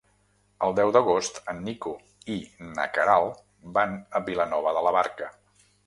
El deu d'agost en Nico i na Queralt van a Vilanova de la Barca.